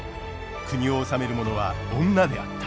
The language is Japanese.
国を治める者は女であった。